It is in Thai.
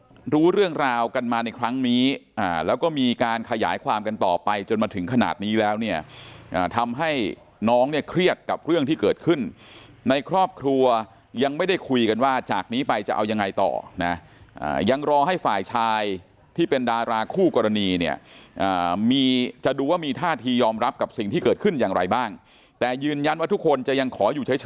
ก็รู้เรื่องราวกันมาในครั้งนี้แล้วก็มีการขยายความกันต่อไปจนมาถึงขนาดนี้แล้วเนี่ยทำให้น้องเนี่ยเครียดกับเรื่องที่เกิดขึ้นในครอบครัวยังไม่ได้คุยกันว่าจากนี้ไปจะเอายังไงต่อนะยังรอให้ฝ่ายชายที่เป็นดาราคู่กรณีเนี่ยมีจะดูว่ามีท่าทียอมรับกับสิ่งที่เกิดขึ้นอย่างไรบ้างแต่ยืนยันว่าทุกคนจะยังขออยู่ใช้